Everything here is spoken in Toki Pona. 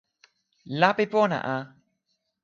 lape pona a!